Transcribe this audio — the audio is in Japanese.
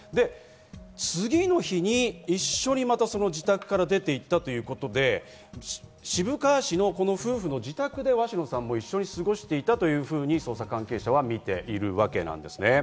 次の日に一緒にその自宅から出て行ったということで、渋川市の夫婦の自宅で鷲野さんも一緒に過ごしていたというふうに、捜査関係者は見ているわけです。